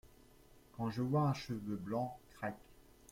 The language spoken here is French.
Quand je vois un cheveu blanc… crac !